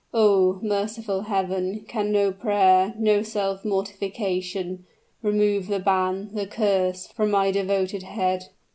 Oh! merciful Heaven, can no prayer, no self mortification, remove the ban the curse from my devoted head?